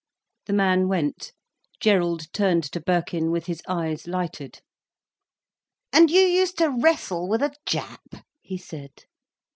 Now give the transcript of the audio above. The man went. Gerald turned to Birkin with his eyes lighted. "And you used to wrestle with a Jap?" he said.